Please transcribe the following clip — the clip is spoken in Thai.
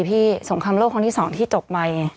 ๑๕ปีสงครามโลกของที่๒ที่จบไป